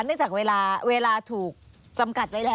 เนื่องจากเวลาเวลาถูกจำกัดไว้แล้ว